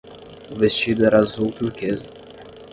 O vestido era azul turquesa.